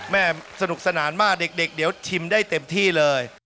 แม่สนุกสนานมากเด็กเดี๋ยวชิมได้เต็มที่เลย